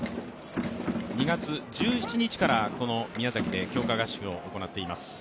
２月１７日から宮崎で強化合宿を行っています。